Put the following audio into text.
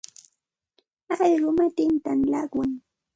Allquu matintam llaqwan.